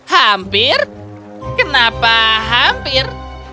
hampir kenapa hampir